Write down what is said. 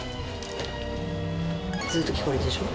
ずっと聞こえてるでしょ？